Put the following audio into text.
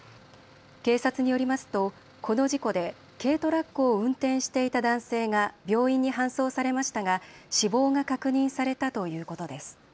警察によりますとこの事故で軽トラックを運転していた男性が病院に搬送されましたが死亡が確認されたということです。